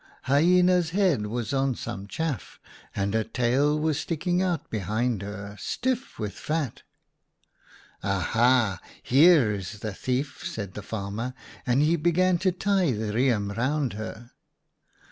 Hyena's head was on some chaff, and her tail was sticking out behind her, stiff with fat !"' Aha ! here is the thief/ said the farmer, and he began to tie the riem round her.